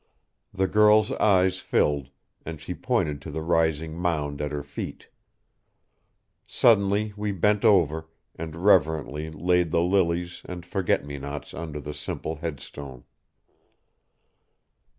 The girl's eyes filled, and she pointed to the rising mound at her feet. Silently we bent over and reverently laid the lilies and forget me nots under the simple headstone.